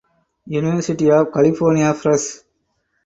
University of California Press.